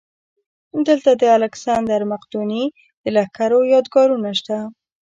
دلته د الکسندر مقدوني د لښکرو یادګارونه شته